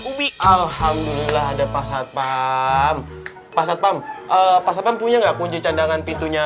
kubik alhamdulillah ada pasat pam pasat pam pasat pam punya enggak kunci candangan pintunya